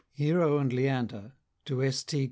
HERO AND LEANDER. TO S. T.